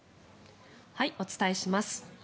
お伝えします。